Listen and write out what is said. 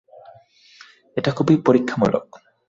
এটা খুবই পরীক্ষামূলক।